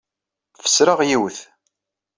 Fesreɣ yiwet.